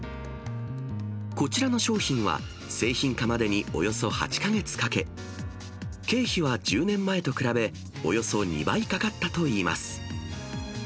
こちらの商品は、製品化までにおよそ８か月かけ、経費は１０年前と比べ、およそ２倍かかったといいます。